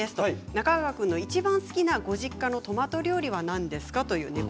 中川君がいちばん好きなご実家のトマト料理は何ですか。